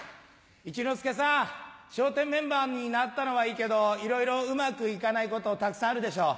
一之輔さん『笑点』メンバーになったのはいいけどいろいろうまくいかないことたくさんあるでしょう。